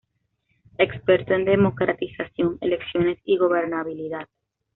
Experto en democratización, elecciones y gobernabilidad.